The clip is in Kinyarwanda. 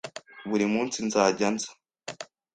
buri munsi nzajya nza